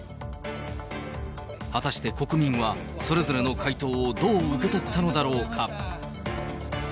果たして国民はそれぞれの回答をどう受け取ったのだろうか。